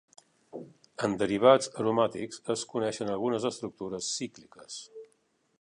En derivats aromàtics es coneixen algunes estructures cícliques.